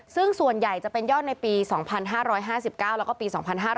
ซึ่งส่วนใหญ่จะเป็นยอดในปี๒๕๕๙แล้วก็ปี๒๕๕๙